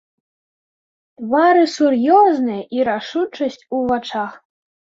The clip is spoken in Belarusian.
Твары сур'ёзныя, і рашучасць у вачах.